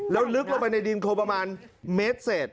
แล้วลึกลงไปในดินของประมาณเม็ดเสร็จ